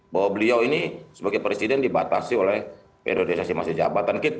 bahwa beliau ini sebagai presiden dibatasi oleh periodisasi masyarakat